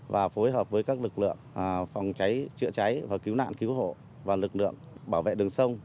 và phối hợp với các lực lượng phòng cháy chữa cháy và cứu nạn cứu hộ và lực lượng bảo vệ đường sông